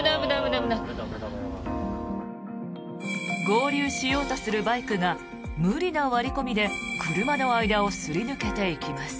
合流しようとするバイクが無理な割り込みで車の間をすり抜けていきます。